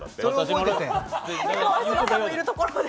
川島さんもいるところで？